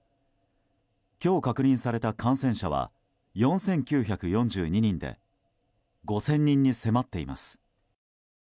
今日確認された感染者数は４９４２人で５０００人に迫っています。